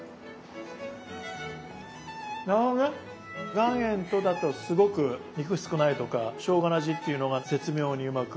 岩塩とだとすごく肉少ないとかしょうがの味っていうのが絶妙にうまく。